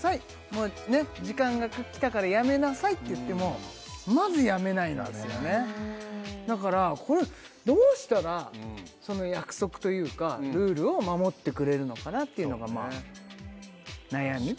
もう時間が来たから「やめなさい」って言ってもまずやめないんですよねだからこれどうしたら約束というかルールを守ってくれるのかなっていうのが悩み